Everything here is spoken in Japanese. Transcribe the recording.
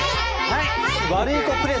はい。